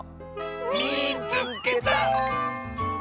「みいつけた！」。